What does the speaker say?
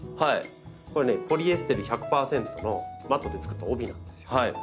これねポリエステル１００％のマットで作った帯なんですよ。